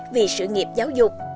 vì sự nghiệp giáo dục